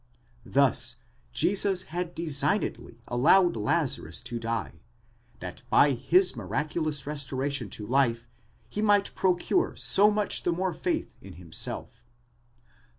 Thus Jesus had designedly allowed Lazarus to die, that by his miraculous restoration to life, he might procure so much the more faith in himself.